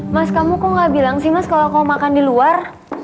mas kamu kok gak bilang sih kalau aku mau makan di luar